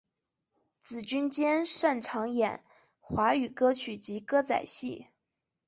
紫君兼擅演唱华语歌曲及歌仔戏。